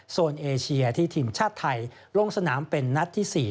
เอเชียที่ทีมชาติไทยลงสนามเป็นนัดที่๔